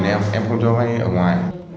em không cho vai ở ngoài